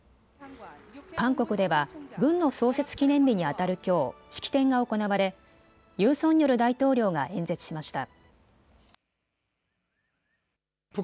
韓国では軍の創設記念日にあたるきょう、式典が行われユン・ソンニョル大統領が演説しました。